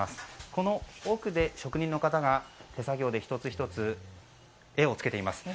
この奥で職人の方が手作業で１つ１つ絵をつけています。